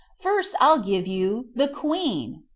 First I'll give you 'The Queen'."